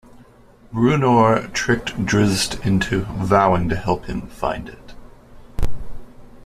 Bruenor tricked Drizzt into vowing to help him find it.